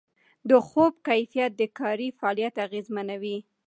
د خوب کیفیت د کاري فعالیت اغېزمنوي.